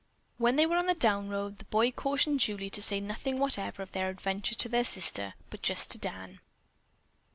When they were on the down road, the boy cautioned Julie to say nothing whatever of their adventure to their sister, but just to Dan.